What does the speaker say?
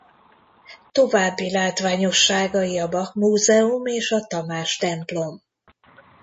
További látványosságai a Bach-múzeum és a Tamás-templom.